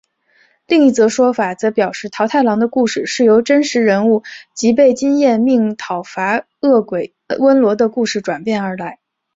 另一则说法则表示桃太郎的故事是由真实人物吉备津彦命讨伐恶鬼温罗的故事转变而来。